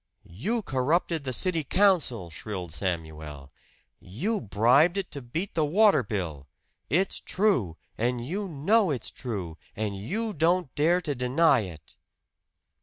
"You corrupted the city council!" shrilled Samuel. "You bribed it to beat the water bill! It's true, and you know it's true, and you don't dare to deny it!"